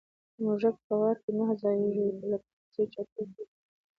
ـ موږک په غار کې نه ځايږي، په لکۍ پسې چتر تړي.